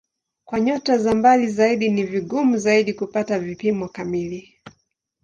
Kwa nyota za mbali zaidi ni vigumu zaidi kupata vipimo kamili.